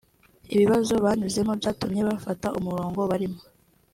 ibibazo banyuzemo byatumye bafata umurongo barimo